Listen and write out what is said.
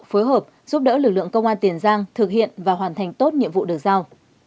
phối hợp giúp đỡ lực lượng công an tiền giang thực hiện và hoàn thành tốt nhiệm vụ được giao